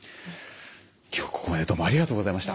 今日はここまでどうもありがとうございました。